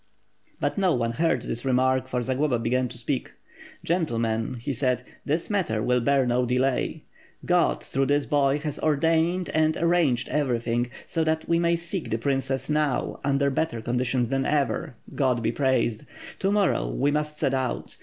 But no one heard this remark, for Zagloba began to speak. "Gentlemen," he said, "this matter will bear no delay. 41 642 WITH FIRE AND SWORD. God, through this boy, has ordained and arranged everything, so that we may seek the princess now, under better condi tions than ever, God be praised! To morrow we must set out.